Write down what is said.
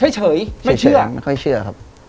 เฉยไม่เชื่อไม่ค่อยเชื่อครับ